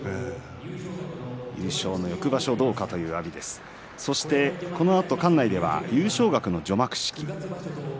優勝の翌場所と語る阿炎ですが、このあと館内では優勝額の除幕式です。